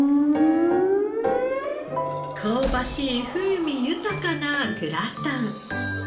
香ばしい風味豊かなグラタン。